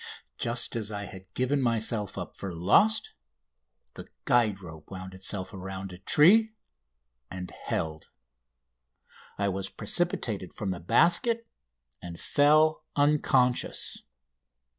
Just as I had given myself up for lost the guide rope wound itself around a tree and held. I was precipitated from the basket, and fell unconscious.